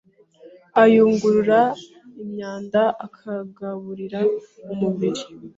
Ayungurura imyanda, akagaburira umubiri.